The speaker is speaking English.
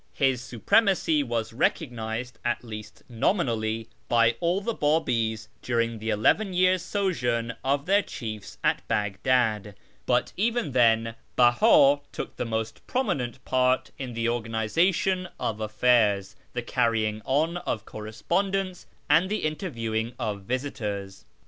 His supremacy was recognised, at least nominally, by all the Biibis during the eleven years' sojourn of their chiefs at Baghdad, but even then Beha took the most prominent part in the organisation of affairs, the carrying on of correspondence, and the interviewing of visitors.